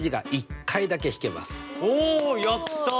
おやった！